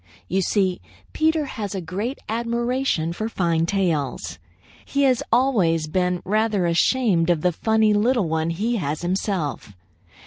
You see, Peter has a great admiration for fine tails. He has always been rather ashamed of the funny little one he has himself.